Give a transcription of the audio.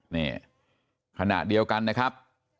นี่ขณะเดียวกันนะครับ